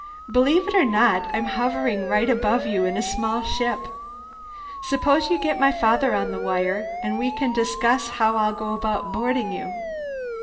"Believe it or not, I'm hovering right above you in a small ship. Suppose you get my father on the wire, and we can discuss how I'll go about boarding you."